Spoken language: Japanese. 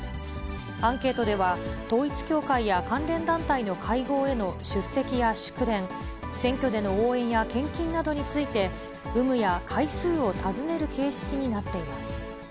アンケートでは、統一教会や関連団体の会合への出席や祝電、選挙での応援や、献金などについて、有無や回数を尋ねる形式になっています。